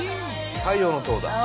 太陽の塔だ。